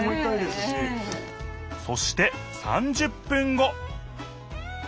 そして３０分後。